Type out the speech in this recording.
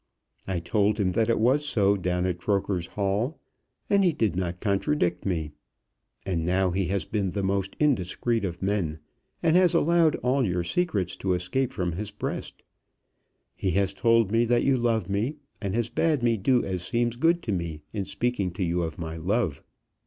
I told him that it was so down at Croker's Hall, and he did not contradict me. And now he has been the most indiscreet of men, and has allowed all your secrets to escape from his breast. He has told me that you love me, and has bade me do as seems good to me in speaking to you of my love.